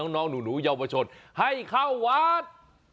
น้องหนูเยาวชนให้เข้าวัด